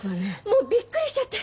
もうびっくりしちゃって。